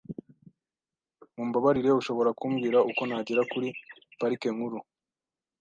Mumbabarire, ushobora kumbwira uko nagera muri Parike Nkuru?